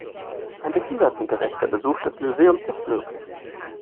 Ein behindertengerechter Besuch des Museums ist möglich.